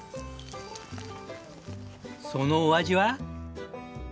そのお味は？